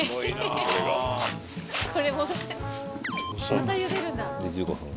またゆでるんだ。